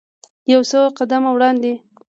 یو څو قدمه وړاندې.